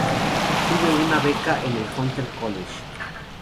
Tuve una beca en el Hunter College.